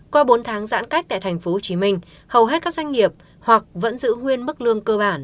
qua bốn tháng giãn cách tại tp hcm hầu hết các doanh nghiệp hoặc vẫn giữ nguyên mức lương cơ bản